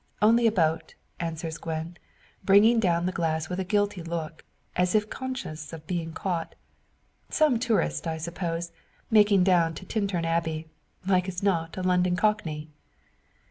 "Only a boat," answers Gwen, bringing down the glass with a guilty look, as if conscious of being caught. "Some tourist, I suppose, making down to Tintern Abbey like as not, a London cockney."